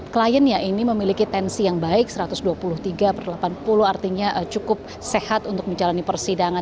kliennya ini memiliki tensi yang baik satu ratus dua puluh tiga per delapan puluh artinya cukup sehat untuk menjalani persidangan